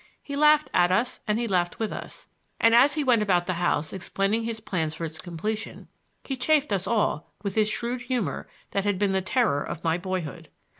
He laughed at us and he laughed with us, and as he went about the house explaining his plans for its completion, he chaffed us all with his shrewd humor that had been the terror of my boyhood.